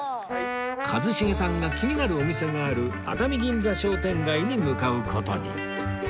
一茂さんが気になるお店がある熱海銀座商店街に向かう事に